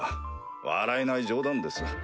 笑えない冗談です。